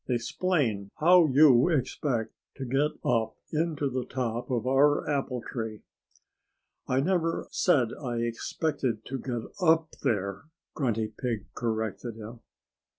Explain how you expect to get up into the top of our apple tree." "I never said I expected to get up there," Grunty Pig corrected him.